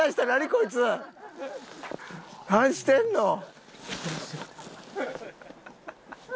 何してんの？